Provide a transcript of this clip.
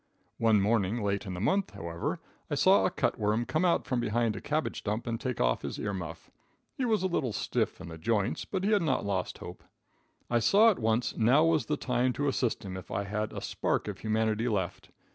One morning late in the month, however, I saw a cut worm come out from behind a cabbage stump and take off his ear muff. He was a little stiff in the joints, but he had not lost hope. I saw at once now was the time to assist him if I had a spark of humanity left.